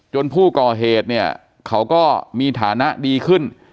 ผู้ก่อเหตุเนี่ยเขาก็มีฐานะดีขึ้น